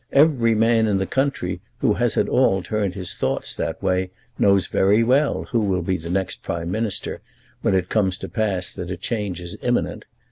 Every man in the country who has at all turned his thoughts that way knows very well who will be the next Prime Minister when it comes to pass that a change is imminent.